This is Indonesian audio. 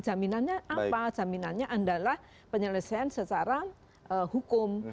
jaminannya apa jaminannya adalah penyelesaian secara hukum